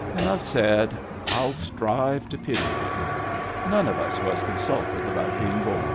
" Enough said. I'll strive to pity him. None of us was consulted about being bom.